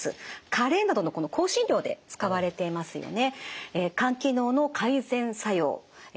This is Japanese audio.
カレーなどの香辛料で使われていますよね。